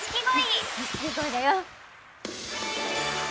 錦鯉だよ。